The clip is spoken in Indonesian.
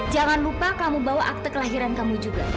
jangan lupa kamu bawa akte kelahiran kamu juga